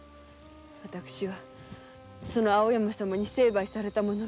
私はその青山様に成敗された者の妻。